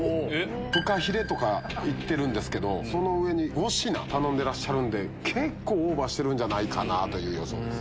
フカヒレとかいってるけどその上に５品頼んでるんで結構オーバーしてるんじゃないかという予想です。